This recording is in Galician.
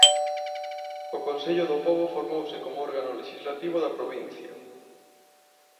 O Consello do Pobo formouse como órgano lexislativo da provincia.